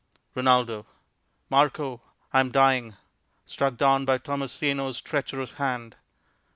Rin. Marco, I am dying, Struck down by Tomasino's treacherous hand.